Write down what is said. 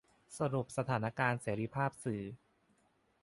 สรุปสถานการณ์เสรีภาพสื่อ